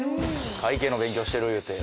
会計の勉強してる言うて。